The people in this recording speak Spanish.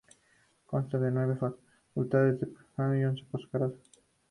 Consta de nueve facultades de pregrado y once de postgrado.